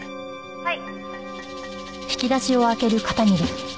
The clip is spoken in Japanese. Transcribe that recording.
「はい」